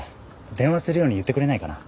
電話するように言ってくれないかな？